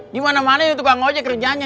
dimana mana itu kak ngajak kerjanya